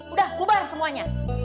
udah kubar semuanya